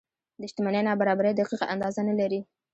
د شتمنۍ نابرابرۍ دقیقه اندازه نه لري.